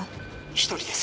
１人です。